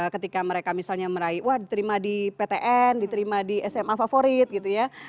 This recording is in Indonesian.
ketika mereka misalnya meraih wah diterima di ptn diterima di sma favorit gitu ya